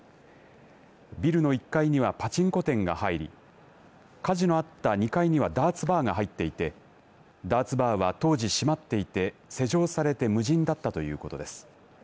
ビルの１階にはパチンコ店が入り火事のあった２階にはダーツバーが入っていてダーツバーは当時閉まっていて施錠されて無人だったということです。